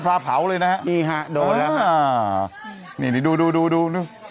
ภาพเผาเลยนะครับนี่ฮะโดนครับนี่นี่ดูดูดูดูดู